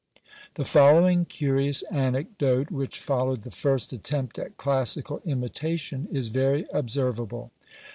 The following curious anecdote, which followed the first attempt at classical imitation, is very observable.